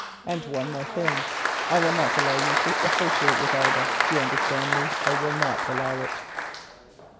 And one more thing. I will not allow you to associate with Ida. Do you understand me? I will not allow it."